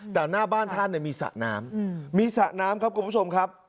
แต่หน้าบ้านท่านมีสระน้ำมีสระน้ำครับคุณผู้ชมครับ